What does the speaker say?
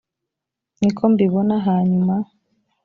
ni ko mbibona hanyuma